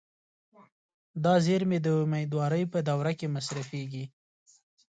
دا زیرمې د امیدوارۍ په دوره کې مصرفېږي.